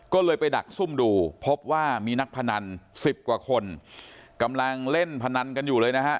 ก็เลยไปดักซุ่มดูพบว่ามีนักพนันสิบกว่าคนกำลังเล่นพนันกันอยู่เลยนะฮะ